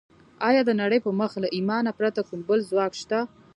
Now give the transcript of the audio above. ایا د نړۍ پر مخ له ایمانه پرته کوم بل ځواک شته